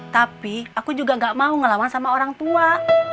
tapi aku juga gak mau ngelawan sama orang tua